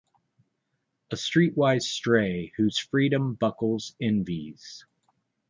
A streetwise stray whose freedom Buckles envies.